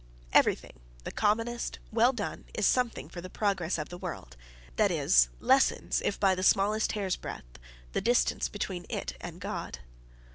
Everything, the commonest, well done, is something for the progress of the world; that is, lessens, if by the smallest hair's breadth, the distance between it and God.